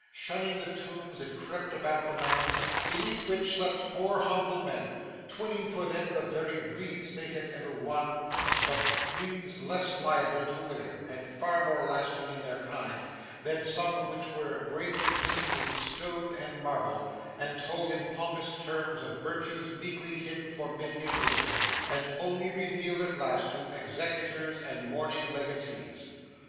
Shunning the tombs, it crept about the mounds, beneath which slept poor humble men: twining for them the first wreaths they had ever won, but wreaths less liable to wither and far more lasting in their kind, than some which were graven deep in stone and marble, and told in pompous terms of virtues meekly hidden for many a year, and only revealed at last to executors and mourning legatees.